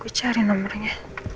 coba dikucari nomernya